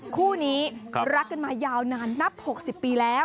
คู่นี้รักกันมายาวนานนับ๖๐ปีแล้ว